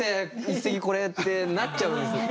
一席これ」ってなっちゃうんですよ。